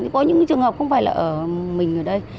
có những trường hợp không phải là ở mình ở đây